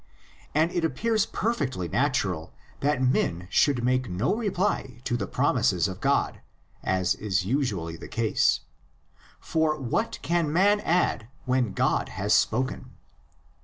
And it appears perfectly natural that men should make no reply to the promises of God, as is usually the case; for what can man add when God has spoken?